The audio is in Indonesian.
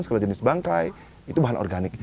segala jenis bangkai itu bahan organik